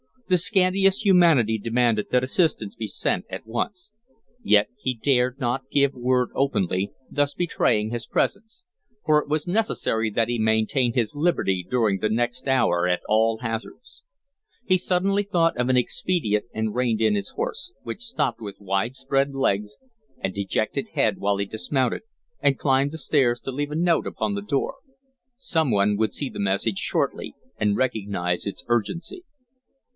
The scantiest humanity demanded that assistance be sent at once. Yet he dared not give word openly, thus betraying his presence, for it was necessary that he maintain his liberty during the next hour at all hazards. He suddenly thought of an expedient and reined in his horse, which stopped with wide spread legs and dejected head while he dismounted and climbed the stairs to leave a note upon the door. Some one would see the message shortly and recognize its urgency.